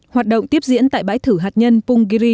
hoạt động tiếp diễn tại bãi thử hạt nhân punggiri